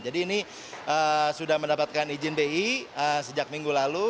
jadi ini sudah mendapatkan izin bi sejak minggu lalu